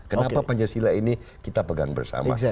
kenapa pancasila ini kita pegang bersama